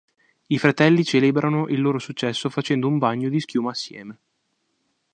I fratelli celebrano il loro successo facendo un bagno di schiuma assieme.